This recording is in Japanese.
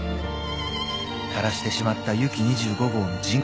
［枯らしてしまった「ユキ２５号」の人工交配］